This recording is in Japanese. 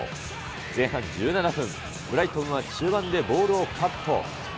前半１７分、ブライトンは中盤でボールをカット。